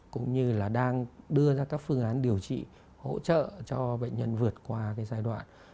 cũng như là đang đưa ra các phương án điều trị hỗ trợ cho bệnh nhân vượt qua cái giai đoạn